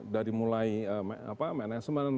dari mulai management